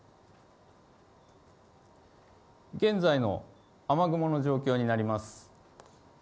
現在の雨雲の状況になります。